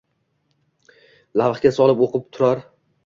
lavhga solib oʼqib oʼtirar